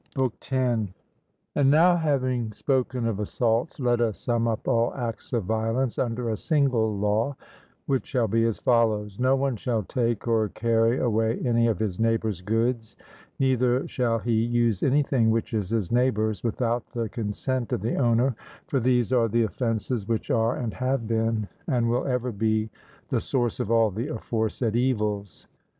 BOOK X. And now having spoken of assaults, let us sum up all acts of violence under a single law, which shall be as follows: No one shall take or carry away any of his neighbour's goods, neither shall he use anything which is his neighbour's without the consent of the owner; for these are the offences which are and have been, and will ever be, the source of all the aforesaid evils.